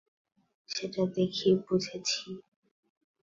সেটা দেখেই বুঝেছি।